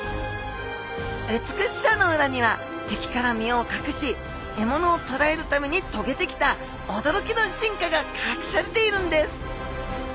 美しさの裏にはてきから身をかくし獲物をとらえるためにとげてきたおどろきの進化がかくされているんです！